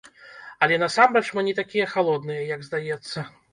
Але насамрэч мы не такія халодныя, як здаецца.